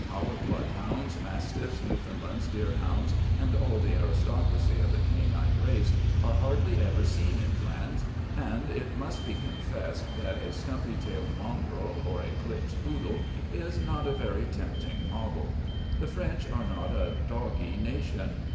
Our bloodhounds, mastiffs, newfoundlands, deerhounds, and all the aristocracy of the canine race, are hardly ever seen in France; and it must be confessed that a stumpy tailed mongrel or a clipped poodle is not a very tempting model. The French are not a doggy nation.